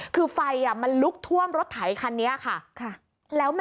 คือไฟมันลุกท่วมรถไถคันนี้ค่ะ